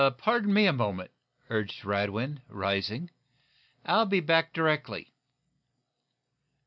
"Pardon me, a moment," urged Radwin, rising. "I'll be back directly."